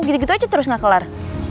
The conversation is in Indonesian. gitu gitu aja terus nggak kelar